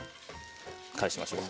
返しましょう。